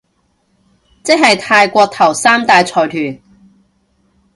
即係泰國頭三大財團